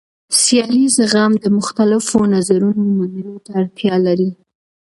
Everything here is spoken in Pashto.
سیاسي زغم د مختلفو نظرونو منلو ته اړتیا لري